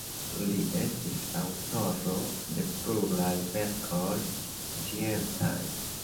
Li estis aŭtoro de pluraj verkoj sciencaj.